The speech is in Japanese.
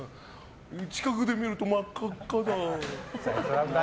近くで見るとまっかっかだ。